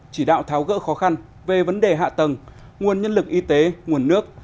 chỉ đạo tháo gỡ khó khăn về vấn đề hạ tầng nguồn nhân lực y tế nguồn nước